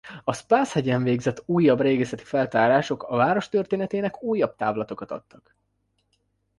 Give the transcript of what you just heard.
A Spas-hegyen végzett újabb régészeti feltárások a város történetének újabb távlatokat adtak.